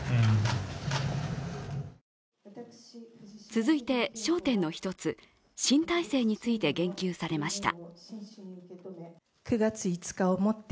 続いて焦点の１つ、新体制について言及されました。